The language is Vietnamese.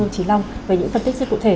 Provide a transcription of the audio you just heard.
chí long về những phân tích rất cụ thể